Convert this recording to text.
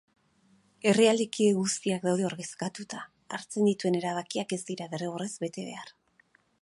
Herrialde kide guztiak daude ordezkatuta. Hartzen dituen erabakiak ez dira derrigorrez bete behar.